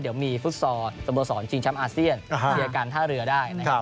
เดี๋ยวมีฟุตซอลสโมสรชิงแชมป์อาเซียนเชียร์การท่าเรือได้นะครับ